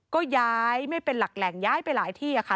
ก็ย้ายไม่เป็นหลักแหล่งย้ายไปหลายที่ค่ะ